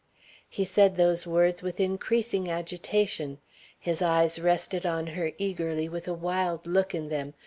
He said those words with increasing agitation; his eyes rested on her eagerly with a wild look in them.